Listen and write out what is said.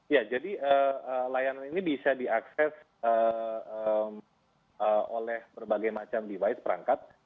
ya jadi layanan ini bisa diakses oleh berbagai macam device perangkat